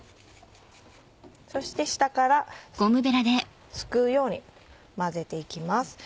そして下からすくうように混ぜて行きます。